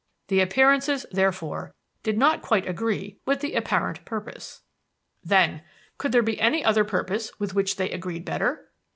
The appearances, therefore, did not quite agree with the apparent purpose. "Then, could there be any other purpose with which they agreed better?